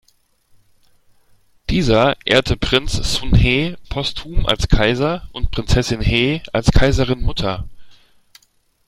Dieser ehrte Prinz Sun He postum als Kaiser und Prinzessin He als Kaiserinmutter.